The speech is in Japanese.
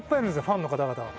ファンの方々が。